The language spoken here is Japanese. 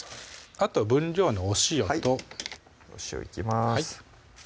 あとは分量のお塩とお塩いきます